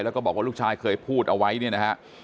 แล้วก็บอกว่าลูกชายเคยพูดเอาไว้เนี่ยนะฮะ